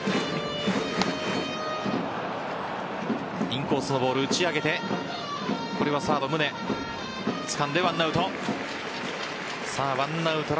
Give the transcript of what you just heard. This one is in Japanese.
インコースのボール、打ち上げてこれはサード・宗つかんで１アウト。